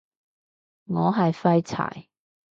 我係廢柴